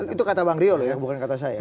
itu kata bang rio loh ya bukan kata saya